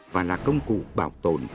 và là công cụ bảo tồn